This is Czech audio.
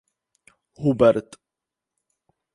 Hubert.